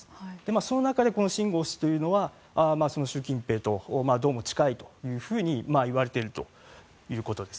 その中でシン・ゴウ氏というのは習近平とどうも近いというふうにいわれているということです。